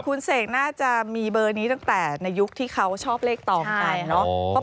คุณเสกน่าจะมีเบอร์นี้ตั้งแต่ในยุคที่เขาชอบเลขตองไปเนอะ